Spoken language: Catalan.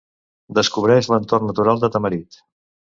Descobreix l'entorn natural de Tamarit.